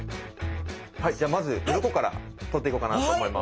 はいじゃあまず鱗から取っていこうかなと思います。